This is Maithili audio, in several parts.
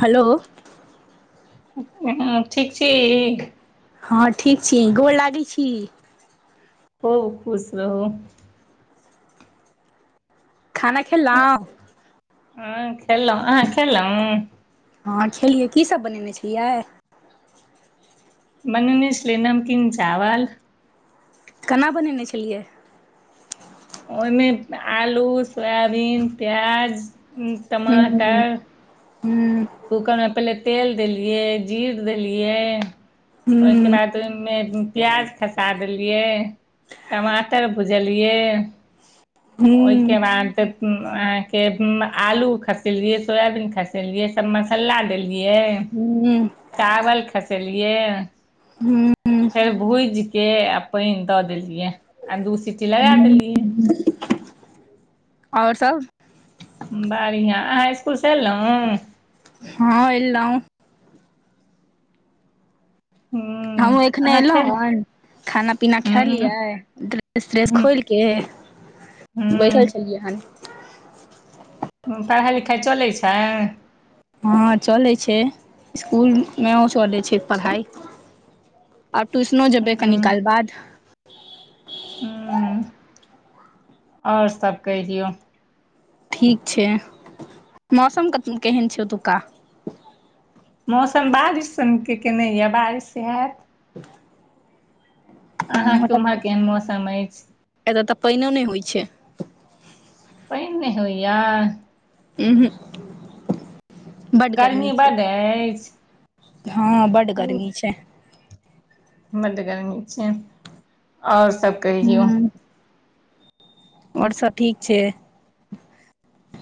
हलो उंहूं ठीक छी। हँ ठीक छी। गोर लागै छी। खुब खुश रहु। खाना खेलहुँ? हँ खेलहुँ। अहां खेलहुँ? हँ खेलियै। कि सभ बनेने छलियै? बनने छलियै नमकीन चावल। कना बनेने छलियै? ओहिमे आलू, सोयाबीन, प्याज हूं टमाटर -हूं-हूं हूं कूकरमे पहिले तेल देलियै, जीर देलियै ओहिके हूँ बाद ओहिमे प्याज खसा देलियै, टमाटर भुजलियै ओहिके हूँ बाद अहाँके आलू खसेलियै, सोयाबीन खसेलियै तब मसल्ला देलियै। हूं चावल खसेलियै। हूँ फेर भुजि क आ पाइन दऽ देलियै आ दू सीटी लगा हूँ देलियै। और सब, बढ़िआं अहाँ इस्कुल से एलहुँ? हँ एलहूं। हूँ हमहुँ एखने अहाँ एलहु खेल हन खाना पीना हूँ खेलियै ड़ेस त्रेस हूँ खोल के बैठल हूँ छलियै हन। हू पढ़ाइ लिखाइ चलै छै? हँ चलै छै इसकुल मे ओ चलै छै पढ़ाई। आब ट्यूशनो जेबै कनि हूँ काल बाद। हूं आओर सब कहि दियौ। ठीक छै मौसम केहन छै ओतुका? मौसम बारिश सन के केने यए बारिश हेएत अहाँके उमहर केहन मौसम अछि? एतय तऽ पानिओ नहि होइत छै। पानि नहि होइये। उंहुक बड़ गर्मी छै, बड्ड अछि हँ बड्ड बड़ गर्मी छै। बड्ड गरमी छै, आओर सब कहियौ हुं आओर सब ठीक छै।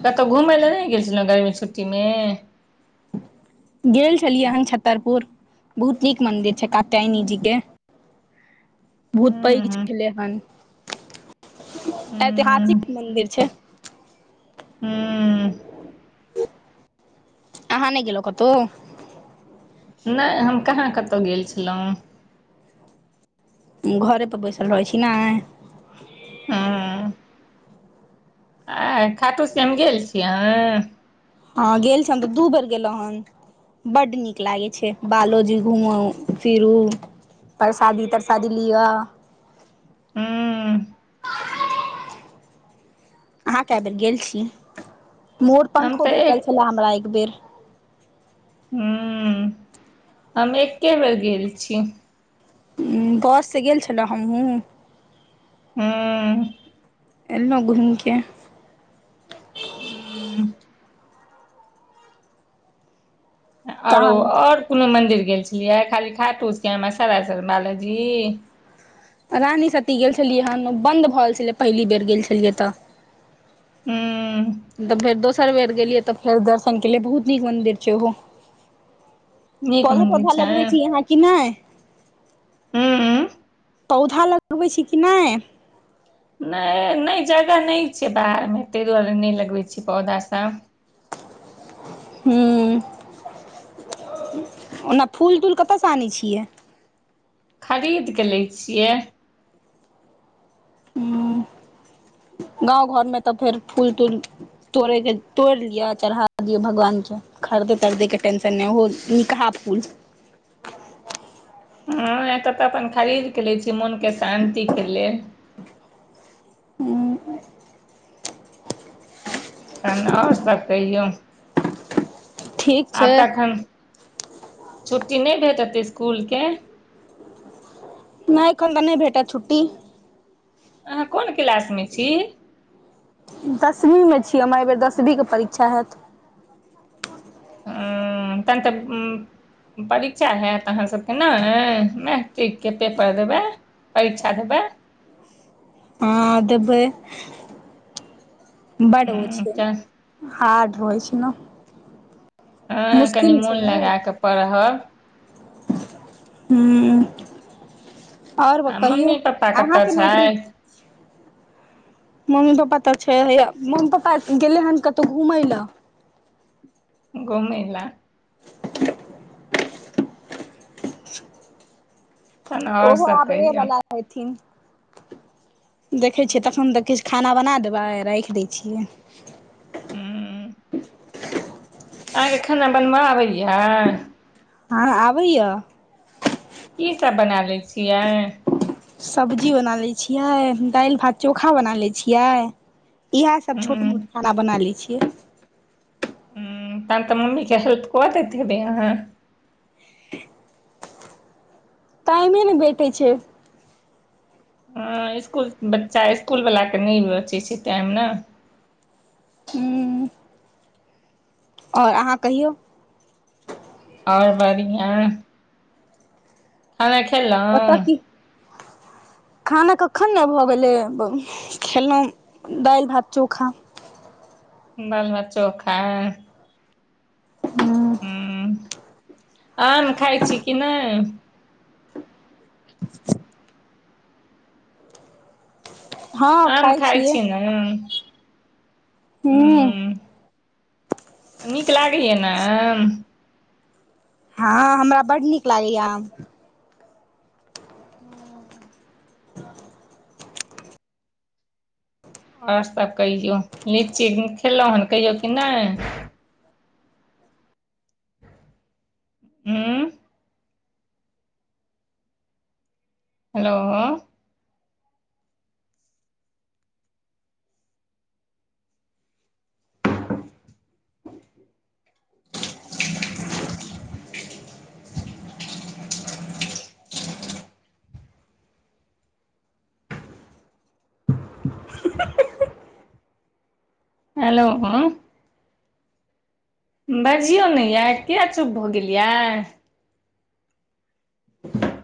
कतहु घुमय लए नहि गेल छलहुँ गर्मी छुट्टी मे? गेल छलियै हन छत्तरपुर बहुत नीक मंदिर छै कात्यायनी जी के। बहुत पैघ हूँ हूँ छलै हन हूँ ऐतिहासिक मन्दिर छै। हू आहां नहि गेलौं कतौ? नहि हम कहाँ कतहु गेल छलहुँ। घरे पर बैसल रहै छी नै, हु आँय खाटु श्याम गेल छीयै अहां? हँ गेल छियै हम तऽ दू बेर गेल्लौं हन। बड्ड नीक लागै छै, बालोजी घूमू फिरू। परसादी तरसादी लिअ। हु अहाँ कए बेर गेल छी मोर हम पंखो तऽ भेटल एक छलए हमरा एक बेर, हूँ हम एके बेर गेल छी। बस सँ गेल छलौं हमहूँ। हु एल्लहुँ घुमिके। हूँ आरो तहन और कोनो मंदिर गेल छलियै खाली खाटु श्याम आ सरासर बालाजी। रानी सती गेल छलियै हन बन्द भऽ गेल छलै पहिली बेर गेल छलियै तऽ। हूं तऽ फेर दोसर बेर गेलियै तऽ फेर दर्शन केलियै बहुत नीक मंन्दिर छै ओहो। नीक पड़ मन्दिर पौधा छै लगबै छी आहाँ कि नय। हु पौधा लगबैइ छी कि नए, नय- नई जगह नइ छै बाहर मे तइ दुआरे नै लगबै छियै पौधा सब, हु ओना फूल तूल कतय सँ आनै छियै। खरीदके लै छियै हु गाँव घरमे तऽ फेर फूल तूल तोड़ैके तोड़ि लिअ आ चढ़ा दि भगवान के खरिदे तरदै के टेन्शन नै हो नीकहाँ फूल। हँ एतऽ तऽ अपन खरीद के ले छी मोन के शान्तिक के लेल, हूँ तहन आओर सब कहियौ ठीक छै आब तखन छुट्टी नहि भेटतै इसकुल के, नय अखन तऽ नै भेटत छुट्टी, आहाँ कोन किलास मे छी, दसमीं मे छी हमरा एहिबेर दसबी के परीक्षा हैत, ह तन त उ परीक्षा हैत अहाँ सभके नय मैट्रिक के पेपर देबै, परीक्षा देबै, हँ देबई बड ओ हँ छै, हाथ धोई छी नऽ हँ, कनि मोन ने ओ लगाकऽ पढ़ब। हुं आओर आ बताइयो मम्मी पप्पा कतऽ अहाँके मैट्रिक छथि मम्मी पप्पा तऽ छै हया मम्मी पप्पा गेले हन कतहु घुमय लए गोमे ला [unintelligible] तहन आओर ओहो सब आबैए कहियौ वला हेथिन देखै छियै तखन तऽ किछु खाना बना देबै राइख दै छियै। हू। अहाँके खाना बनबऽ आबैया। हँ आबै य। की सब बना लै छियै, सब्जी बना लै छियै, दाइल भात चोखा बना लै छियै। इएह सब हूँ छोट हूँ मोट खाना बना लै छियै, हुं तहन तऽ मम्मी के हेल्प कऽ देत हेबई आहाँ टाइमे नै भेटै छै, हँ, इसकुल बच्चा इस्कुल वला के नइ बचइ छै टाइम न हूं आओर आहाँ कहियौ आओर बढ़िया खाना खेलउँ ओतऽ की खाना कखन ने भऽ गेलै खेलहुँ दाइल भात चोखा दाल भात चोखा हू। हु आम खाइ छी कि नहि। आम खाइ छी ने, हू। हूँ नीक लागैया ने आम। हँ, हमरा बड नीक लागैया आम। ह। [unintelligible] आओर त कहियौ लीची खेलहुँ हन कहियौ कि नहि हँ। हेलो। [unintelligible] हेलो। बजियौ ने यए कििया चुप भऽ गेल यए ह। [unintelligible]